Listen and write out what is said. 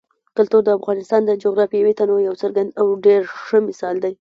کلتور د افغانستان د جغرافیوي تنوع یو څرګند او ډېر ښه مثال دی.